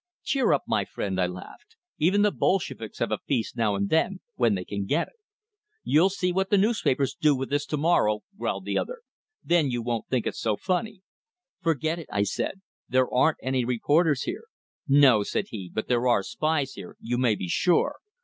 "Cheer up, my friend!" I laughed. "Even the Bolsheviks have a feast now and then, when they can get it." "You'll see what the newspapers do with this tomorrow," growled the other; "then you won't think it so funny." "Forget it!" I said. "There aren't any reporters here." "No," said he, "but there are spies here, you may be sure.